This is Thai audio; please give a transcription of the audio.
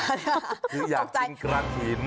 คืออยากกินกระถิ่น